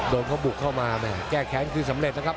เขาบุกเข้ามาแก้แค้นคือสำเร็จนะครับ